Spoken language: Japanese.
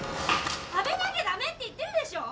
・・食べなきゃダメって言ってるでしょ！